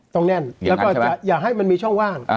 ต้องแน่นแล้วก็อย่าให้มันมีช่องว่าง